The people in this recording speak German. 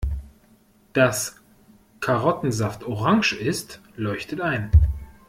Dass Karottensaft orange ist, leuchtet ein.